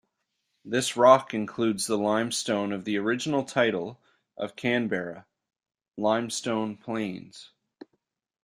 This rock includes the limestone of the original title of Canberra "Limestone Plains".